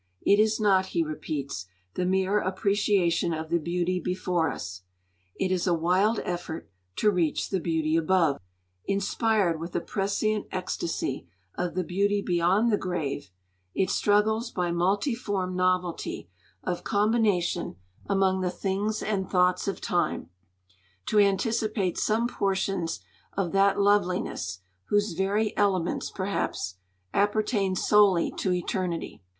'It is not,' he repeats, 'the mere appreciation of the beauty before us. It is a wild effort to reach the beauty above.... Inspired with a prescient ecstasy of the beauty beyond the grave, it struggles by multiform novelty of combination among the things and thoughts of time, to anticipate some portions of that loveliness whose very elements, perhaps, appertain solely to eternity.'